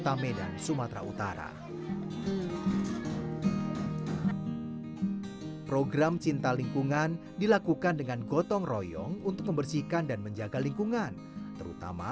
jadi saya mau bergabung juga mau belajar juga di sanggar kan